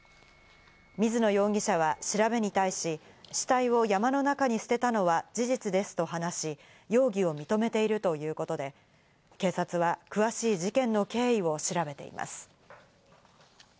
水野容疑者は調べに対し、死体を山の中に捨てたのは事実ですと話し容疑を認めているということで、警察は詳しい事件の経緯を調べています。